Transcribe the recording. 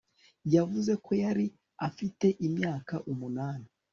yavuze ko yari afite imyaka umunani